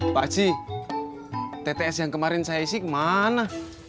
pak ji tts yang kemarin saya isi kemana